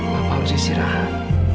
papa harus istirahat